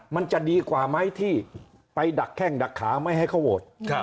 มันจะดีกว่าไหมที่ไปดักแข้งดักขาไม่ให้เขาโหวต